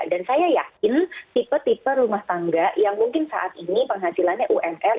dan saya yakin tipe tipe rumah tangga yang mungkin saat ini penghasilannya umr